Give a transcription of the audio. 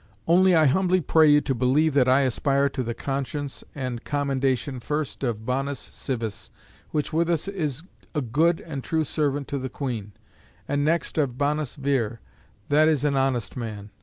Only I humbly pray you to believe that I aspire to the conscience and commendation first of bonus civis, which with us is a good and true servant to the Queen, and next of bonus vir, that is an honest man.